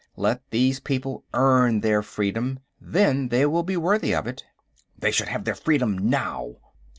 Let these people earn their freedom. Then they will be worthy of it." "They should have their freedom now."